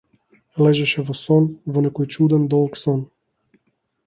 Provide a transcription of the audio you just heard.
Лежеше во сон, во некој чуден, долг сон.